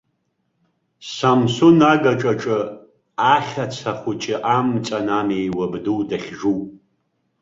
Самсун агаҿаҿы ахьаца хәыҷы амҵан ами уабду дахьжу?